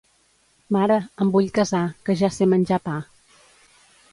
Mare, em vull casar, que ja sé menjar pa.